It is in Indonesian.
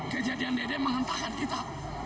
kejadian dede menghentakkan kita